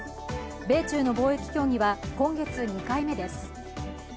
米中の貿易協議は今月２回目です。